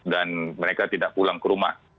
dan mereka tidak pulang ke rumah